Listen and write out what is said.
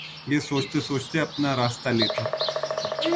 یہ سوچتے سوچتے اپنا راستہ لیتا